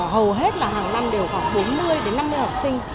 hầu hết là hàng năm đều khoảng bốn mươi đến năm mươi học sinh